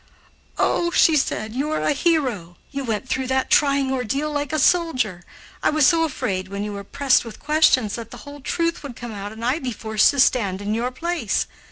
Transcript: "Oh!" she said, "you are a hero. You went through that trying ordeal like a soldier. I was so afraid, when you were pressed with questions, that the whole truth would come out and I be forced to stand in your place.